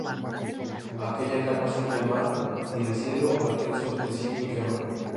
aquella calma azul del mar y del cielo, aquel sol que ciega y quema